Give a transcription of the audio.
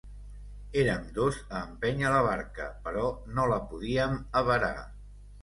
Érem dos a empènyer la barca, però no la podíem avarar.